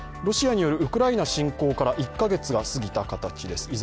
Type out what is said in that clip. ロシアによるウクライナ侵攻から１カ月が過ぎた形です。